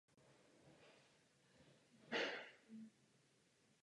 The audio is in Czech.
V některých členských státech se vyskytly potíže.